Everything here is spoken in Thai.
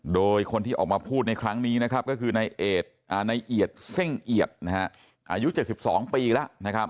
โดยคนที่ออกมาพูดในครั้งนี้นะครับก็คือนายเอียดเส้งเอียดอายุ๗๒ปีแล้วนะครับ